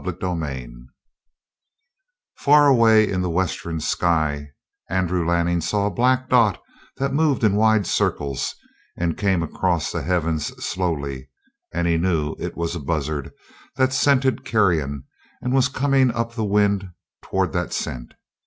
CHAPTER 11 Far away in the western sky Andy Lanning saw a black dot that moved in wide circles and came up across the heavens slowly, and he knew it was a buzzard that scented carrion and was coming up the wind toward that scent.